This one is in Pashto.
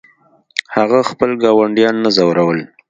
هغه خپل ګاونډیان نه ځورول.